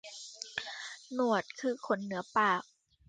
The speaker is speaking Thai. หนวดคือขนเหนือปาก